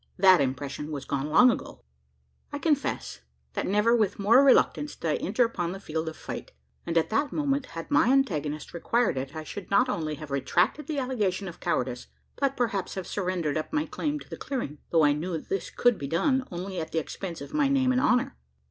That impression was gone long ago. I confess, that never with more reluctance did I enter upon the field of fight; and at that moment, had my antagonist required it, I should not only have retracted the allegation of of cowardice, but, perhaps, have surrendered up my claim to the clearing though I knew that this could be done, only at the expense of my name and honour.